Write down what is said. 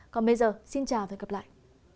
còn bây giờ xin chào và hẹn gặp lại